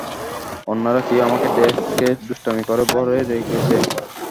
অন্যরা কেউ আমার ডেস্কে দুষ্টুমি করে ভরে রেখেছে।